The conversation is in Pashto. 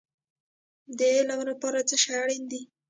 د علم لپاره څه شی اړین دی؟